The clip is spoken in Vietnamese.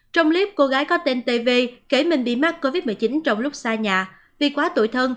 trong clip cô gái có tên tv kể mình bị mắc covid một mươi chín trong lúc xa nhà